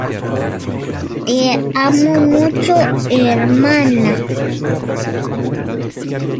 Las finales se trasladaron al Madison Square Garden.